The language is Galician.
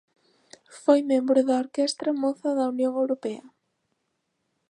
Foi membro da Orquestra moza da Unión Europea.